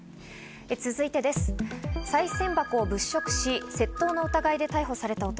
続いて、さい銭箱を物色し、窃盗の疑いで逮捕された男。